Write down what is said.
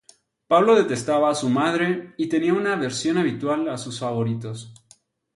Pablo detestaba a su madre y tenía una aversión habitual a sus favoritos.